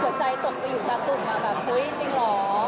ตกใจตกไปอยู่ตาตุ่มมาแบบอุ๊ยจริงเหรอ